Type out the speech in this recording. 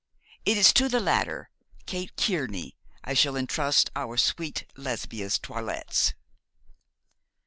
It is to the latter, Kate Kearney, I shall entrust our sweet Lesbia's toilettes.'